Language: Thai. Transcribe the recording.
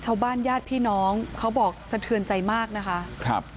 ชาวบ้านญาติพี่น้องเขาบอกสะเทือนใจมากนะคะ